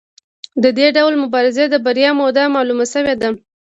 د دې ډول مبارزې د بریا موده معلومه شوې ده.